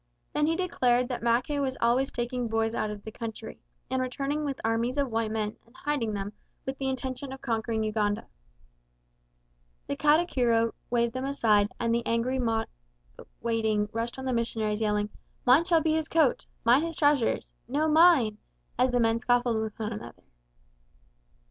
Then he declared that Mackay was always taking boys out of the country, and returning with armies of white men and hiding them with the intention of conquering Uganda. The Katikiro waved them aside and the angry waiting mob rushed on the missionaries yelling, "Mine shall be his coat!" "Mine his trousers!" "No, mine!" shouted another, as the men scuffled with one another.